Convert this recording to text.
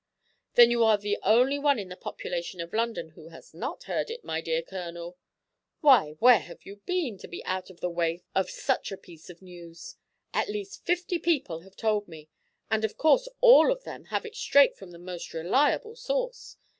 "Then you are the only one in the population of London who has not heard it, my dear Colonel. Why, where have you been, to be out of the way of such a piece of news? At least fifty people have told me, and of course all of them have it straight from the most reliable source.